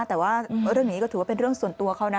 แต่ว่าเรื่องนี้ก็ถือว่าเป็นเรื่องส่วนตัวเขานะ